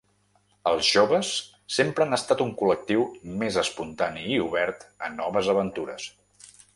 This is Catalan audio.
Els joves sempre han estat un col·lectiu més espontani i obert a noves aventures.